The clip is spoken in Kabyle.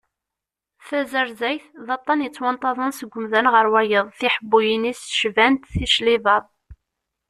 Tazarzayt d aṭan yettwanṭaḍen seg umdan ɣer wayeḍ, tiḥebuyin-is cbant ticlibaḍ.